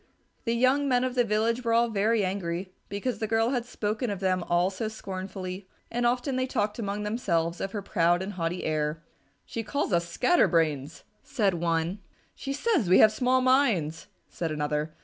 The young men of the village were all very angry because the girl had spoken of them all so scornfully, and often they talked among themselves of her proud and haughty air. "She calls us Scattered Brains," said one. "She says we have small minds," said another.